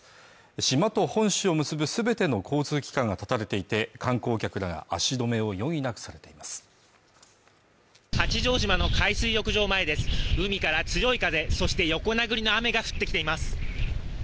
島と本州を結ぶすべての交通機関が絶たれていて観光客らが足止めを余儀なくされています八丈島の海水浴場前です海から強い風そして横殴りの雨が降ってきています